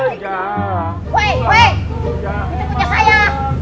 itu kerja saya